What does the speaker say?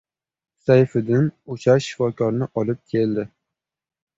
Sayfiddin o‘sha shifokorni olib keldi